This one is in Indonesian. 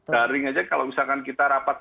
daring aja kalau misalkan kita rapat